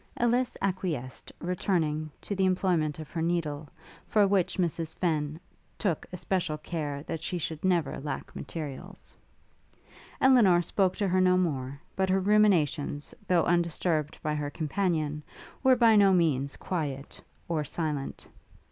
Ellis acquiesced, returning to the employment of her needle, for which Mrs Fenn took especial care that she should never lack materials. Elinor spoke to her no more; but her ruminations, though undisturbed by her companion, were by no means quiet, or silent.